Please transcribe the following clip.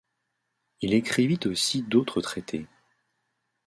Il écrivit aussi d'autres traités.